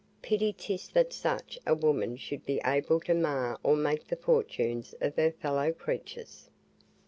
Pity 'tis that such a woman should be able to mar or make the fortunes of her fellow creatures.